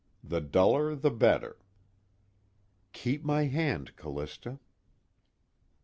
The duller the better. _Keep my hand, Callista.